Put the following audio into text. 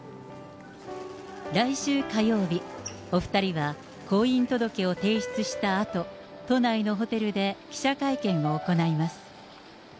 来週火曜日、お２人は婚姻届を提出したあと、都内のホテルで記者会見を行います。